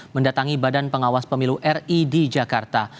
mendatangi badan pengawas pemilu ri di jakarta